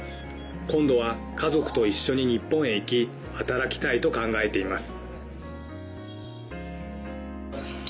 今度は、家族と一緒に日本へ行き働きたいと考えています。